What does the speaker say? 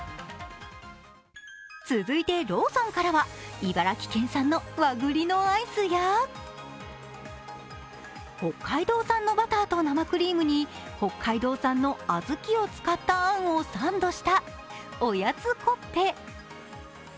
続いて、ローソンからは茨城県産の和栗のアイスや、北海道産のバターと生クリームに北海道産の小豆を使ったあんをサンドしたトおやつコッペ。